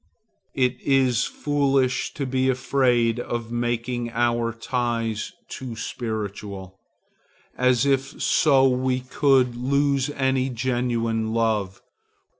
It is foolish to be afraid of making our ties too spiritual, as if so we could lose any genuine love.